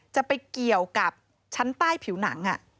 จะไปเกี่ยวกับชั้นใต้ผิวหนัง